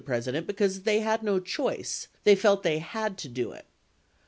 673 President because they had no choice — they felt they "had to" do it.